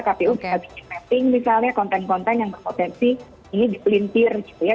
kpu bisa bikin mapping misalnya konten konten yang berpotensi ini dipelintir gitu ya